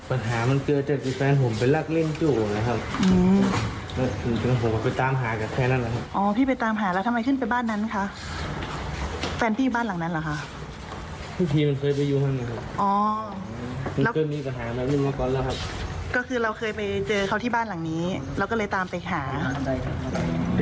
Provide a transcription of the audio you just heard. เราเคยไปเจอเขาที่บ้านหลังนี้เราก็เลยตามไปหา